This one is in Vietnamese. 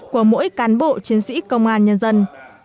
của mỗi cán bộ chiến sĩ công an nhân dân